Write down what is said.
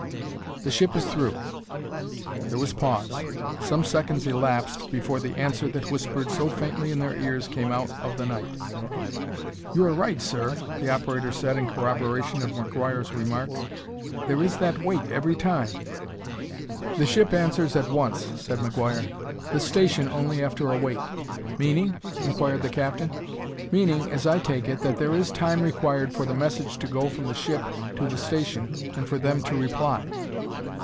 The ship is through!" There was pause; some seconds elapsed before the answer that whispered so faintly in their ears came out of the night. "You are right, sir," the operator said in corroboration of McGuire's remark. "There is that wait every time." "The ship answers at once," said McGuire; "the station only after a wait." "Meaning ?" inquired the captain. "Meaning, as I take it, that there is time required for the message to go from the ship to the station and for them to reply."